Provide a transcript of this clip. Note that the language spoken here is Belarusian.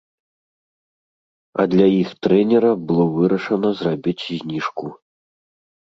А для іх трэнера было вырашана зрабіць зніжку.